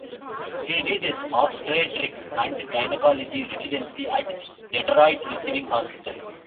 He did his obstetrics and gynecology residency at Detroit Receiving Hospital.